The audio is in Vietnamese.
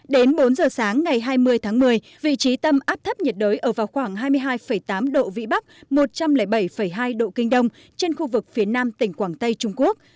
đến bốn giờ sáng ngày hai mươi tháng một mươi vị trí tâm áp thấp nhiệt đới ở vào khoảng hai mươi hai tám độ vĩ bắc một trăm linh bảy hai độ kinh đông trên khu vực phía nam tỉnh quảng tây trung quốc